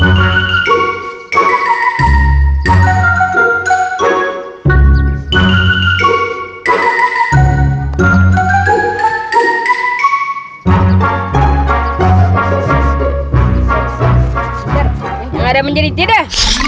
udah menjerit dia dah